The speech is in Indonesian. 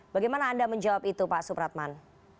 bagaimana anda menjawab itu pak supratman